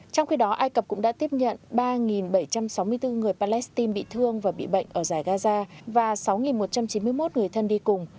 trong khi đó ai cập cũng đã tiếp nhận ba bảy trăm sáu mươi bốn người palestine bị thương và bị bệnh ở giải gaza và sáu một trăm chín mươi một người thân đi cùng